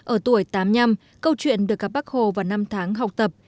ở tuổi tám năm câu chuyện được các bác hồ vào năm tháng học tập